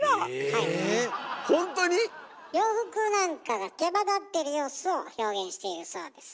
ほんとに⁉洋服なんかがけばだってる様子を表現しているそうです。